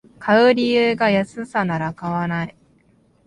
買う理由が安さなら買わない